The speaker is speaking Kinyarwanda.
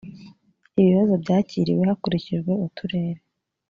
ibibazo byakiriwe hakurikijwe uturere